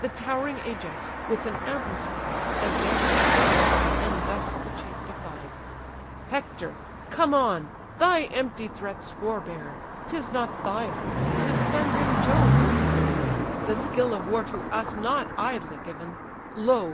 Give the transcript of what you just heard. The towering Ajax, with an ample stride, Advanced the first, and thus the chief defied: "Hector! come on; thy empty threats forbear; 'Tis not thy arm, 'tis thundering Jove we fear: The skill of war to us not idly given, Lo!